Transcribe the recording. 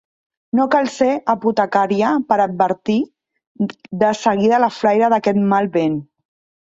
No cal ser apotecària per advertir de seguida la flaire d'aquest mal vent.